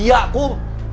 supaya bahagia kom